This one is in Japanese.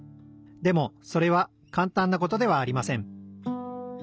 でもそれはかんたんなことではありません。